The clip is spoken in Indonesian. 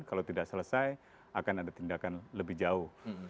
kalau tidak selesai akan ada tindakan lebih jauh